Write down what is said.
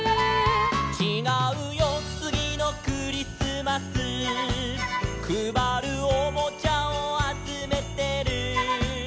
「ちがうよつぎのクリスマス」「くばるおもちゃをあつめてる」